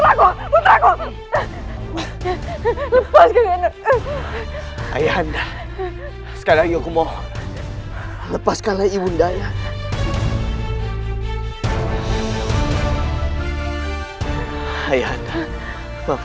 lepaskan ayah anda sekali aku mau lepaskan lagi bunda ayah